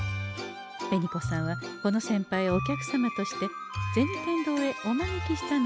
紅子さんはこのせんぱいをお客様として銭天堂へお招きしたのでござんす。